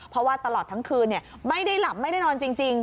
เพราะว่าตลอดทั้งคืนไม่ได้หลับไม่ได้นอนจริง